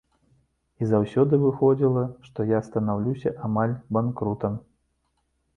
І заўсёды выходзіла, што я станаўлюся амаль банкрутам.